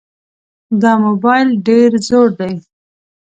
دا موبایل ډېر زوړ دی.